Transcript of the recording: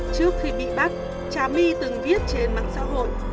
trước khi bị bắt trà my từng viết trên mạng xã hội